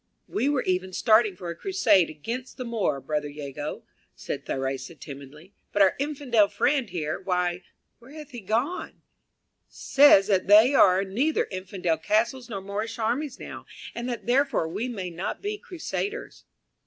"We were even starting for a crusade against the Moor, Brother Jago," said Theresa, timidly, "but our Infidel friend here why, where hath he gone? says that there are neither Infidel castles nor Moorish armies now, and that therefore we may not be crusaders."